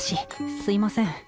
すいません。